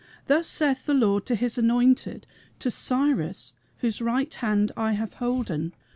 Thus saith the Lord to his anointed, To Cyrus, whose right hand I have holden.